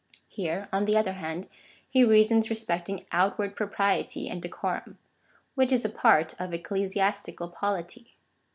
Here, on the other hand, he reasons respecting outward propriety and decorum — which is a part of ecclesiastical polity.